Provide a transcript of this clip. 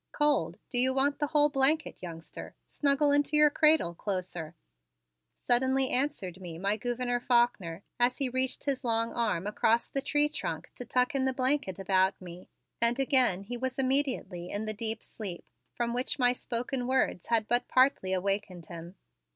"Cold? Do you want the whole blanket, youngster? Snuggle into your cradle closer," suddenly answered me my Gouverneur Faulkner as he reached his long arm across the tree trunk to tuck in the blanket about me and again he was immediately in the deep sleep from which my spoken words had but partly awakened him.